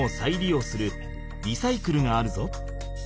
ようするリサイクルがあるぞ。